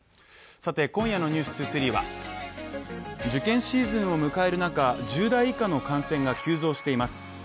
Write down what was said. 今夜の「ｎｅｗｓ２３」は受験シーズンを迎える中、１０代以下の感染が急増しています。